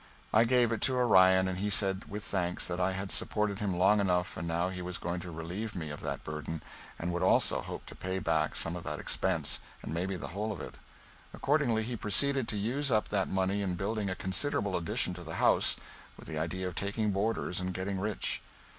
I gave it to Orion and he said, with thanks, that I had supported him long enough and now he was going to relieve me of that burden, and would also hope to pay back some of that expense, and maybe the whole of it. Accordingly, he proceeded to use up that money in building a considerable addition to the house, with the idea of taking boarders and getting rich.